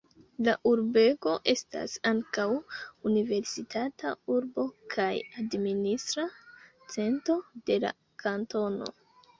La urbego estas ankaŭ universitata urbo kaj administra cento de la kantono.